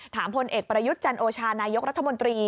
พลเอกประยุทธ์จันโอชานายกรัฐมนตรี